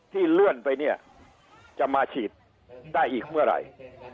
เลื่อนไปเนี่ยจะมาฉีดได้อีกเมื่อไหร่